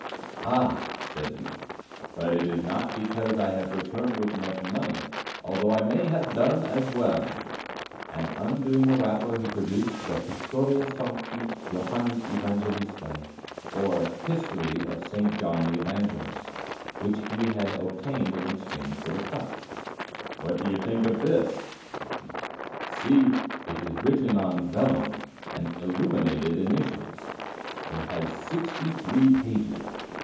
"Ah," said he, "but it is not because I have returned with much money, although I may have done as well." And undoing a wrapper he produced the "Historia Sancti Johannis Evangelistæ," or "History of St. John the Evangelist," which he had obtained in exchange for cuts. "What think you of this?" said he. "See, it is written on vellum with illuminated initials, and has sixty three pages.